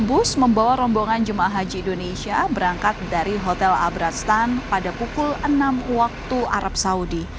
bus membawa rombongan jemaah haji indonesia berangkat dari hotel abrahstan pada pukul enam waktu arab saudi